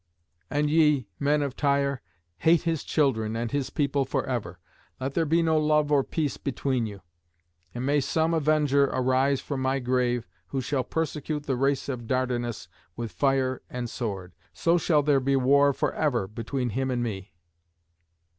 And ye, men of Tyre, hate his children and his people for ever. Let there be no love or peace between you. And may some avenger arise from my grave who shall persecute the race of Dardanus with fire and sword. So shall there be war for ever between him and me."